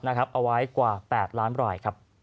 เอาไว้กว่า๘ล้านราย